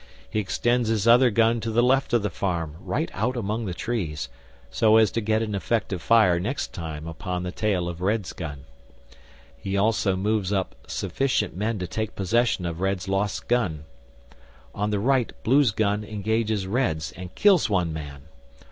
He extends his other gun to the left of the farm, right out among the trees, so as to get an effective fire next time upon the tail of Red's gun. He also moves up sufficient men to take possession of Red's lost gun. On the right Blue's gun engages Red's and kills one man.